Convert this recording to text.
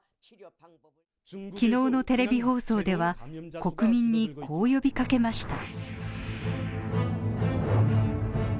昨日のテレビ放送では国民にこう呼びかけました。